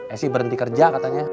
esy berhenti kerja katanya